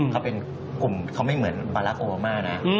เขาเป็นกลุ่มเขาไม่เหมือนบาลักษณ์โอเมอร์นะ